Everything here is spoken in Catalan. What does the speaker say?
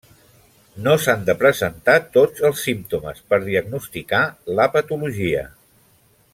No s'han de presentar tots els símptomes per diagnosticar la patologia.